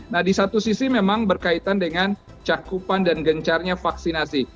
nah di satu sisi memang berkaitan dengan cakupan dan gencarnya vaksinasi